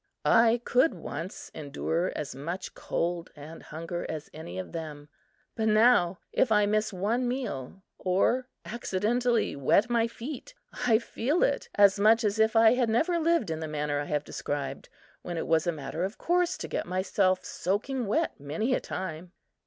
I could once endure as much cold and hunger as any of them; but now if I miss one meal or accidentally wet my feet, I feel it as much as if I had never lived in the manner I have described, when it was a matter of course to get myself soaking wet many a time.